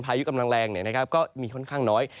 พายุกำลังแรงเนี่ยนะครับก็มีค่อนข้างน้อย